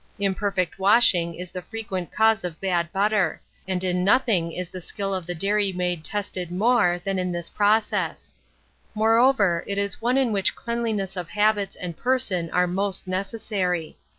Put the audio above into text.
Imperfect washing is the frequent cause of bad butter, and in nothing is the skill of the dairy maid tested more than in this process; moreover, it is one in which cleanliness of habits and person are most necessary.